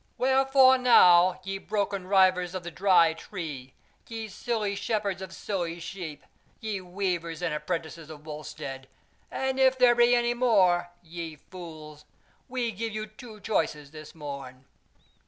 Wherefore now, ye broken reivers of the Dry Tree, ye silly shepherds of silly sheep, ye weavers and apprentices of Wulstead, and if there by any more, ye fools! we give you two choices this morn.